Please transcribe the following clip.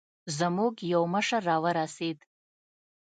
زموږ يو مشر راورسېد.